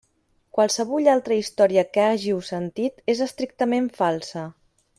Qualsevulla altra història que hàgiu sentit és estrictament falsa.